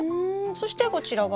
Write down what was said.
そしてこちらが？